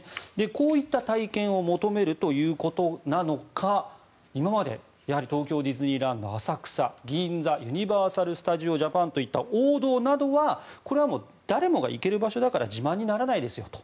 こういった体験を求めるということなのか今まで、やはり東京ディズニーランド浅草、銀座ユニバーサル・スタジオ・ジャパンといった王道などはこれは誰もが行ける場所だから自慢にならないですよと。